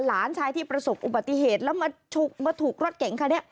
หลานชายที่ประสบอุบัติเหตุแล้วมาถูกรถเก๋งคันนี้